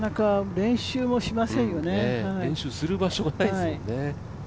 練習する場所がないですもんね。